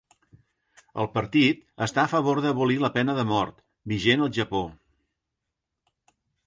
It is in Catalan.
El partit està a favor d'abolir la pena de mort, vigent al Japó.